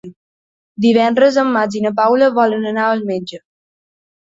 Divendres en Max i na Paula volen anar al metge.